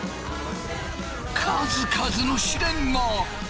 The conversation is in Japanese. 数々の試練が！